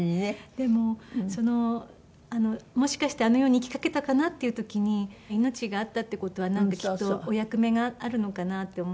でももしかしてあの世にいきかけたかなっていう時に命があったって事はきっとお役目があるのかなって思って。